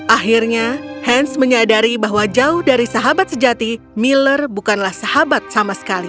akhirnya hans menyadari bahwa jauh dari sahabat sejati miller bukanlah sahabat sama sekali